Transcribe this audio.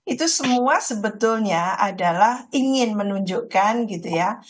itu semua sebetulnya adalah ingin menunjukkan gitu ya